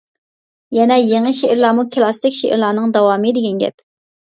يەنى، يېڭى شېئىرلارمۇ كىلاسسىك شېئىرلارنىڭ داۋامى دېگەن گەپ.